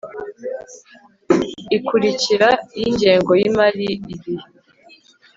ikurikira y ingengo y imari igihe